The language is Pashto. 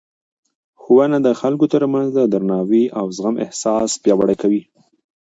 ښوونه د خلکو ترمنځ د درناوي او زغم احساس پیاوړی کوي.